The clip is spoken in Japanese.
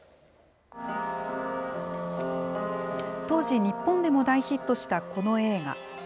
当時、日本でも大ヒットしたこの映画。